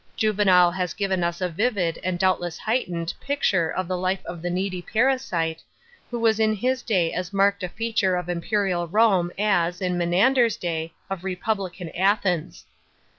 Juvenal has given us a vivid, and doubtless heightened, picture of the life of the needy parasite, who was in his day as marked a feature of imperial Rome as, in Menander's day, of republican Athens.